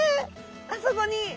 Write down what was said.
あそこに！